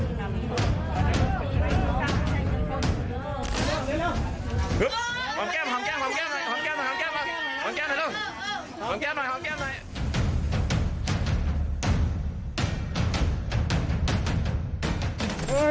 ห่วงแก้มห่วงแก้มห่วงแก้มหน่อยห่วงแก้มหน่อยห่วงแก้มหน่อยห่วงแก้มหน่อย